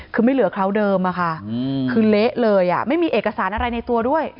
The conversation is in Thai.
คือไม่เหลือคราวเดิมอะค่ะคือเละเลยไม่มีเอกสารอะไรในตัวด้วย